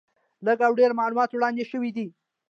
لږ او ډېر معلومات وړاندې شوي دي.